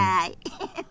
フフフ。